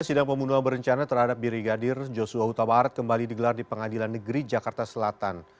sidang pembunuhan berencana terhadap birigadir joshua utabarat kembali digelar di pengadilan negeri jakarta selatan